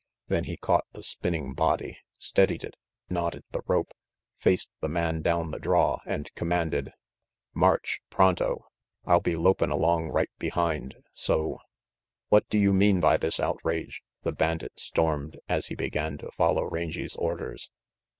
Then he caught the spinning body, steadied it, knotted the rope, faced the man down the draw, and commanded, "March, pronto. I'll be lopin' along right behind, so' 3 "What do you mean by this outrage?" the bandit stormed, as he began to follow Rangy 's orders.